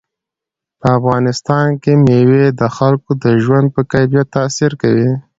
په افغانستان کې مېوې د خلکو د ژوند په کیفیت تاثیر کوي.